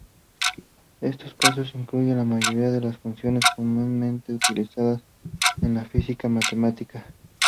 Estos casos incluyen la mayoría de las funciones comúnmente utilizadas en la física matemática.